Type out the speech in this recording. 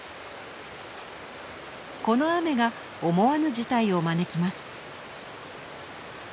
この雨が思わぬ事態を招きます。